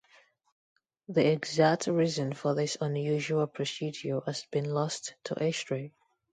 The exact reason for this unusual procedure has been lost to history.